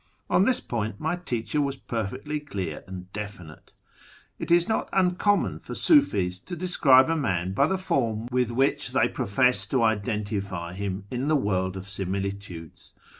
On this point my teacher was perfectly clear and definite. It is not uncommon for Siifis to describe a man by the form with which they profess to identify him in tlie "World of Similitudes."